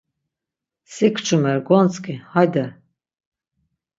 Sin kçumer gontzǩi hayde!